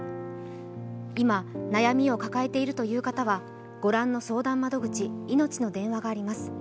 今、悩みを抱えているという方は、御覧の相談窓口いのちの電話があります。